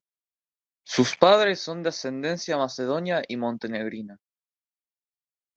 Sus padres son de ascendencia macedonia y montenegrina.